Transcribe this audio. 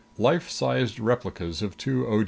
Life sized replicas of two O.